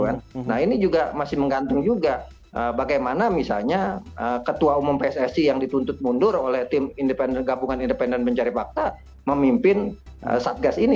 nah ini juga masih menggantung juga bagaimana misalnya ketua umum pssi yang dituntut mundur oleh tim gabungan independen mencari fakta memimpin satgas ini